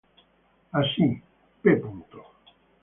Así, p.